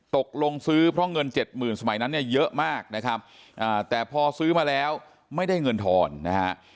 ตกลงซื้อเพราะเงินเจ็ดหมื่นสมัยนั้นเนี่ยเยอะมากนะครับแต่พอซื้อมาแล้วไม่ได้เงินทอนนะฮะ